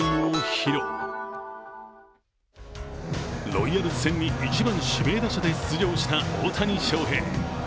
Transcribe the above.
ロイヤルズ戦に１番・指名打者で出場した大谷翔平。